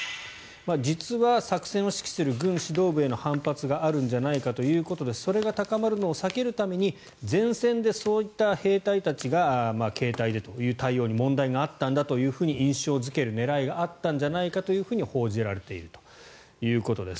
実は作戦を指揮する軍指導部への反発があるんじゃないかということでそれが高まるのを避けるために前線で兵隊たちが携帯でという対応に問題があったんだと印象付ける狙いがあったんじゃないかと報じられているということです。